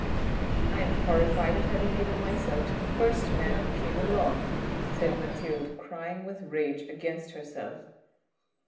" I am horrified at having given myself to the first man who came along," said Mathilde crying with rage against herself.